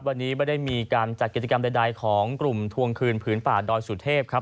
วันนี้ไม่ได้มีการจัดกิจกรรมใดของกลุ่มทวงคืนผืนป่าดอยสุเทพครับ